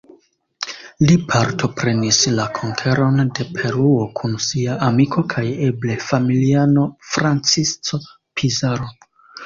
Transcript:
Li partoprenis la konkeron de Peruo, kun sia amiko kaj eble familiano Francisco Pizarro.